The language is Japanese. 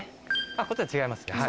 こっちは違いますね。